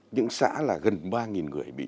những xã là gần ba người